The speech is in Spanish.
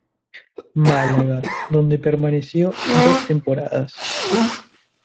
Málaga, donde permaneció dos temporadas.